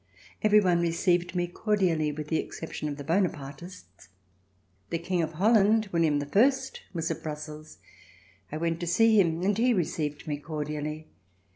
Every one received me cordially, with the exception of the Bonapartists. The King of Holland, William the First, was at Brussels. I went to see him and he received me cordially.